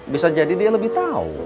bisa jadi dia lebih tahu